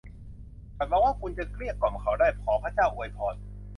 ฉันหวังว่าคุณจะเกลี้ยกล่อมเขาได้ ขอพระเจ้าอวยพร